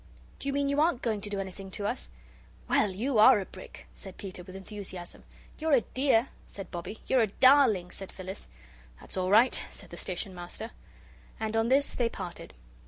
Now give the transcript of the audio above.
"Do you mean you aren't going to do anything to us? Well, you are a brick," said Peter, with enthusiasm. "You're a dear," said Bobbie. "You're a darling," said Phyllis. "That's all right," said the Station Master. And on this they parted.